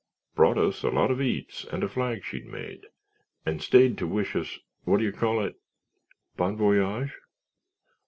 Brought us a lot of eats and a flag she'd made, and stayed to wish us—what do you call it?" "Bon voyage?"